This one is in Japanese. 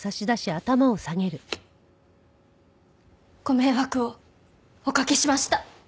ご迷惑をおかけしました。